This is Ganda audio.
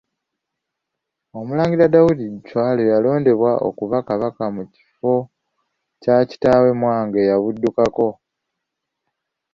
Omulangira Daudi Chwa lwe yalondebwa okuba Kabaka mu kifo kya kitaawe Mwanga eyabuddukako.